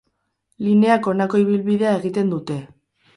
Lineak honako ibilbidea egiten dute.